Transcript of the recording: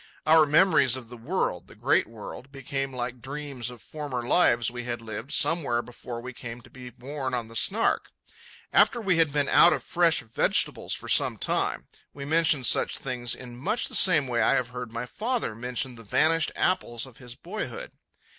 Our memories of the world, the great world, became like dreams of former lives we had lived somewhere before we came to be born on the Snark. After we had been out of fresh vegetables for some time, we mentioned such things in much the same way I have heard my father mention the vanished apples of his boyhood.